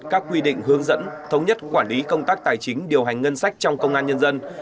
các quy định hướng dẫn thống nhất quản lý công tác tài chính điều hành ngân sách trong công an nhân dân